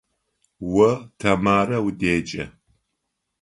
О Тэмарэ удеджэ.